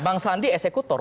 bang sandi eksekutor